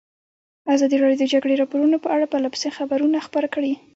ازادي راډیو د د جګړې راپورونه په اړه پرله پسې خبرونه خپاره کړي.